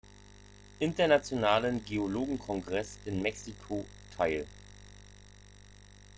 Internationalen Geologen-Kongress in Mexiko teil.